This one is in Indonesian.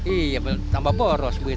iya tambah boros begitu